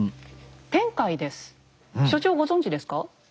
所長ご存じですか？